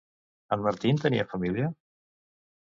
En Martín tenia família?